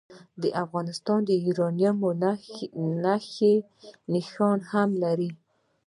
افغانستان د یورانیم نښې نښانې هم لري.